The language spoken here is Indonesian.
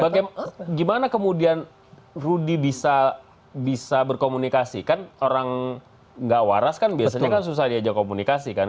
bagaimana kemudian rudy bisa berkomunikasi kan orang nggak waras kan biasanya kan susah diajak komunikasi kan